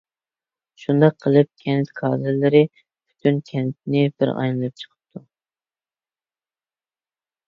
شۇنداق قىلىپ كەنت كادىرلىرى پۈتۈن كەنتنى بىر ئايلىنىپ چىقىپتۇ.